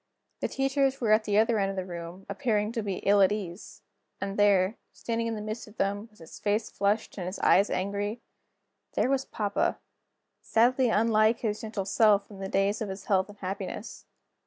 The teachers were at the other end of the room, appearing to be ill at ease. And there, standing in the midst of them, with his face flushed and his eyes angry there was papa, sadly unlike his gentle self in the days of his health and happiness.